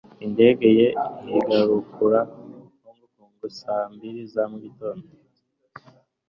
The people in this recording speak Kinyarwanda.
Indege ye ihaguruka Hong Kong saa mbiri za mugitondo.